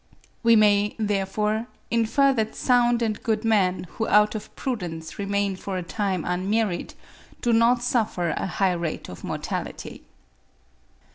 We may, therefore, infer that sound and good men who out of prudence remain for a time unmarried, do not suffer a high rate of mortality.